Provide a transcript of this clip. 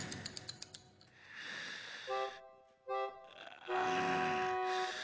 ああ。